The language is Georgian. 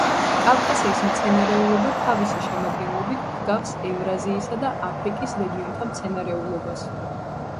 კავკასიის მცენარეულობა თავისი შემადგენლობით ჰგავს ევრაზიისა და აფრიკის რეგიონთა მცენარეულობას.